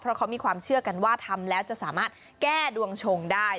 เพราะเขามีความเชื่อกันว่าทำแล้วจะสามารถแก้ดวงชงได้